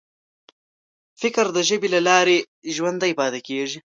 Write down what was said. فکر د ژبې له لارې ژوندی پاتې کېږي.